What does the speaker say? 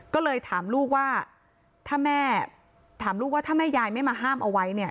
ก็เลยถามลูกว่าถ้าแม่ถามลูกว่าถ้าแม่ยายไม่มาห้ามเอาไว้เนี่ย